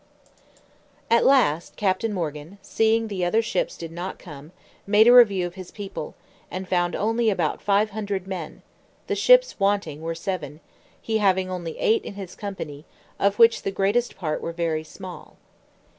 At last Captain Morgan, seeing the other ships did not come, made a review of his people, and found only about five hundred men; the ships wanting were seven, he having only eight in his company, of which the greatest part were very small.